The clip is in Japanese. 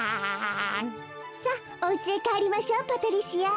さあおうちへかえりましょうパトリシア。